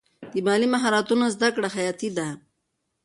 د مالي مهارتونو زده کړه حیاتي ده.